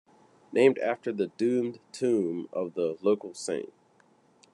Named after the doomed tomb of the local saint.